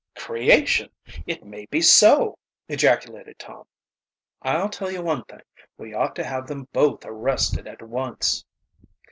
"Creation! It may be so!" ejaculated Tom. "I'll tell you one thing: we ought to have them both arrested at once."